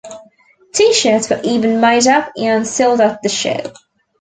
T-shirts were even made up and sold at the shows.